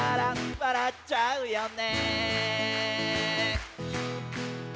「笑っちゃうよね」